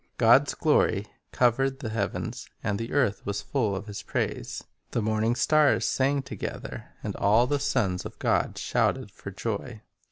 God's glory "covered the heavens, and the earth was full of His praise." "The morning stars sang together, and all the sons of God shouted for joy."